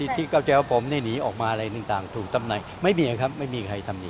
ที่เข้าใจว่าผมนี่หนีออกมาอะไรต่างถูกตำแหน่งไม่มีครับไม่มีใครทำหนี